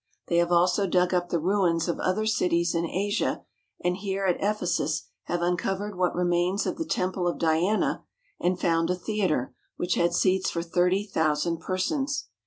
They have also dug up the ruins of other cities in Asia, and here at Ephesus have uncovered what remains of the Temple of Diana and found a theatre which had seats for thirty thousand persons.